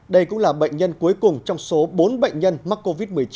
đây cũng là bệnh nhân cuối cùng trong số bốn bệnh nhân mắc covid một mươi chín